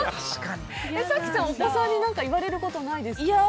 早紀さん、お子さんに何か言われることないですか？